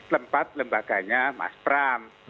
lempat lembaganya mas pram